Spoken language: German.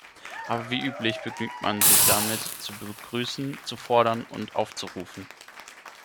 Aber wie üblich begnügt man sich damit zu "begrüßen", zu "fordern" und "aufzurufen".